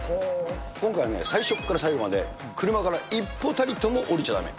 今回はね、最初から最後まで車から一歩たりとも降りちゃだめ。